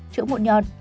chữa mụn nhọn